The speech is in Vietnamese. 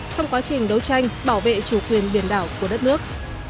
trong quá trình đấu tranh bảo vệ chủ quyền biển đảo của đất nước